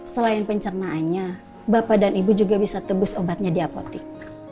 selain pencernaannya bapak dan ibu juga bisa tebus obatnya di apotik